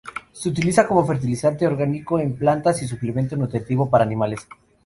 Se utiliza como fertilizante orgánico en plantas y suplemento nutritivo para animales.